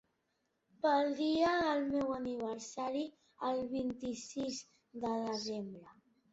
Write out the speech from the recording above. Pel dia del meu aniversari, el vint-i-sis de desembre.